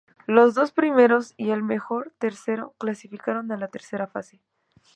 Los dos primeros y el mejor tercero clasificaron a la tercera fase.